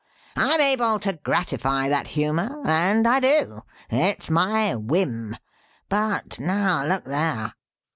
"I'm able to gratify that humour and I do. It's my whim. But now look there."